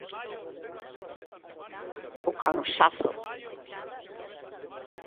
O cansazo.